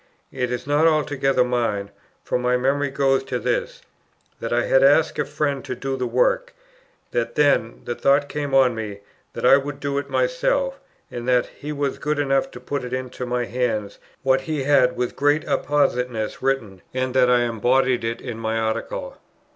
It is not altogether mine; for my memory goes to this, that I had asked a friend to do the work; that then, the thought came on me, that I would do it myself: and that he was good enough to put into my hands what he had with great appositeness written, and that I embodied it in my Article.